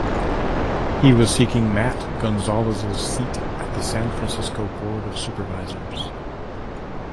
He was seeking Matt Gonzalez's seat on the San Francisco Board of Supervisors.